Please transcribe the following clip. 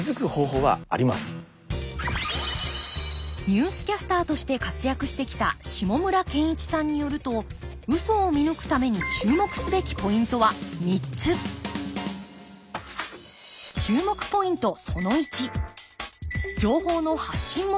ニュースキャスターとして活躍してきた下村健一さんによるとウソを見抜くために注目すべきポイントは３つ注目ポイント